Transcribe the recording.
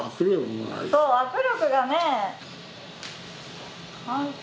そう握力がね。